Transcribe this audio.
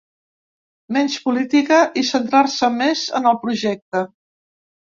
Menys política i centrar-se més en el projecte.